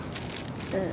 うん。